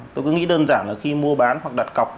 tôi cứ nghĩ đơn giản là khi mua bán hoặc đặt cọc